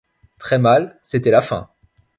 Très mal, c’était la fin.